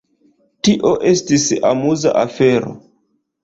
Tio estis amuza afero.